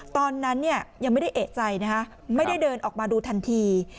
ตอนนั้นยังไม่ได้เอกใจนะคะไม่ได้เดินออกมาดูทันที